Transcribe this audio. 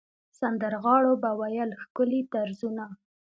سندرغاړو به ویل ښکلي طرزونه.